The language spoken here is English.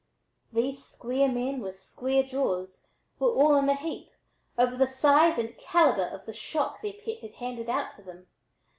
These square men with square jaws were "all in a heap" over the size and caliber of the shock their pet had handed out to them.